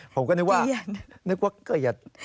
ผมก็นึกว่าเกลียดธนภัยบุญผมก็นึกว่าเกลียดธนภัยบุญ